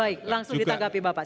baik langsung ditanggapi bapak